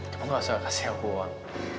kamu nggak usah kasih aku uang